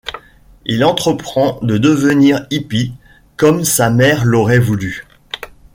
Il entreprend de devenir hippie, comme sa mère l'aurait voulu.